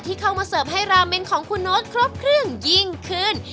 เข้ามาเสิร์ฟให้ราเมนของคุณโน๊ตครบเครื่องยิ่งขึ้น